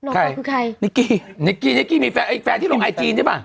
ใครนิกกี้นิกกี้มีแฟนที่ลงไอจีนใช่ไหม